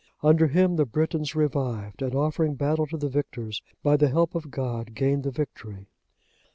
Under him the Britons revived, and offering battle to the victors, by the help of God, gained the victory.